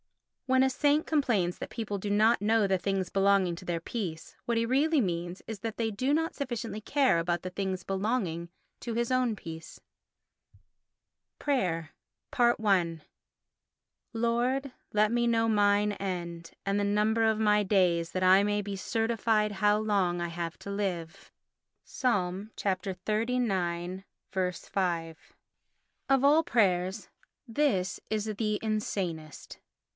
When a saint complains that people do not know the things belonging to their peace, what he really means is that they do not sufficiently care about the things belonging to his own peace. Prayer i Lord, let me know mine end, and the number of my days: that I may be certified how long I have to live (Ps. xxxix. 5). Of all prayers this is the insanest.